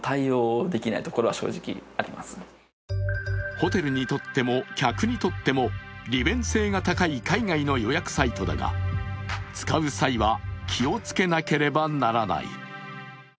ホテルにとっても、客にとっても利便性が高い海外の予約サイトだが、使う際は気をつけなければならない。